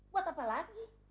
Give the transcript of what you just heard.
buat apa lagi